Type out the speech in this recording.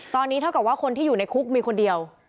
ตอนนี้เท่ากับว่าคนที่อยู่ในคุกมีคนเดียว